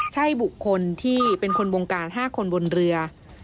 ใช่บุคคลที่เป็นคนวงการ๕คนบนเรือ